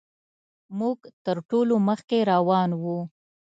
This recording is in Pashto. موږ تر ټولو مخکې روان وو.